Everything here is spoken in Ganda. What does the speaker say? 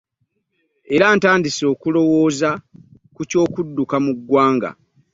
Era atandise n'okulowooza ku ky'okudduka mu ggwanga